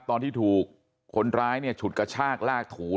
ตอนที่ถูกคนร้ายเนี่ยฉุดกระชากลากถู